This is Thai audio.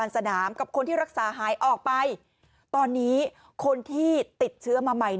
สนามกับคนที่รักษาหายออกไปตอนนี้คนที่ติดเชื้อมาใหม่